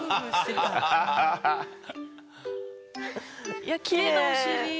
いやきれいなお尻。